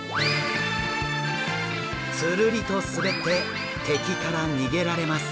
つるりと滑って敵から逃げられます。